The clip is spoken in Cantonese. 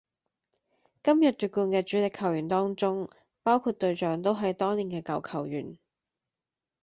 今日奪冠嘅主力球員當中，包括隊長都係當年嘅舊球員